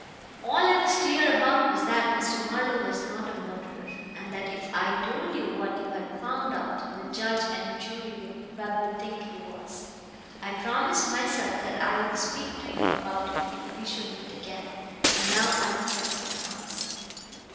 All I was clear about was that Mr. Marlowe was not a murderer, and that if I told what you had found out, the judge and jury would probably think he was. I promised myself that I would speak to you about it if we should meet again; and now I've kept my promise."